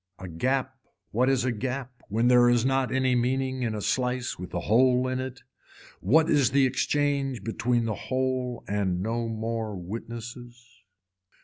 A gap what is a gap when there is not any meaning in a slice with a hole in it. What is the exchange between the whole and no more witnesses.